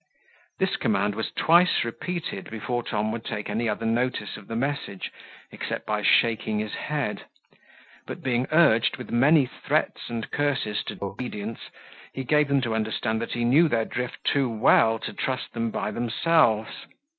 This command was twice repeated before Tom would take any other notice of the message, except by shaking his head; but being urged with many threats and curses to obedience, he gave them to understand that he knew their drift too well to trust them by themselves.